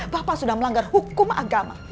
bapak sudah melanggar hukum agama